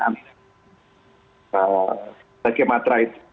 sebagai matra itu